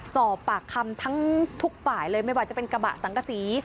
สอบปากคำทั้งทุกฝ่ายเลยไม่ว่าจะเป็นกระบะสังกษี